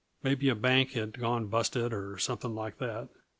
Maybe a bank had gone busted or something like that.